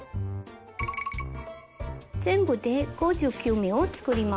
全部で５９目を作ります。